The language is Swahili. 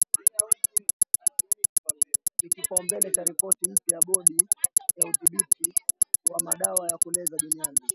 ni kipaumbele cha ripoti mpya ya Bodi ya udhibiti wa madawa ya kulevya duniani